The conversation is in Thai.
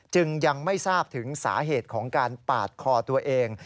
จึงยังไม่ทราบถึงสาเหตุของการปาดคอตัวเอง